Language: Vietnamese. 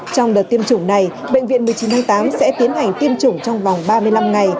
trong đợt tiêm chủng này bệnh viện một mươi chín tháng tám sẽ tiến hành tiêm chủng trong vòng ba mươi năm ngày